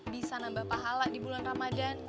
bisa nambah pahala di bulan ramadan